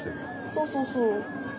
そうそうそう。